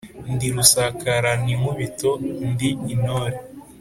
Ndi rusakarana inkubito, ndi intore